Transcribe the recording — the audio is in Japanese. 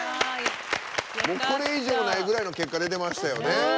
もうこれ以上ないぐらいの結果出てましたよね。